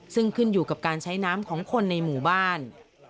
ซึ่งขึ้นอยู่กับการใช้น้ำของคนในหมู่บ้าน